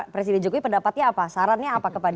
presiden jokowi pendapatnya apa sarannya apa kepada